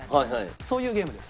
そういうゲームです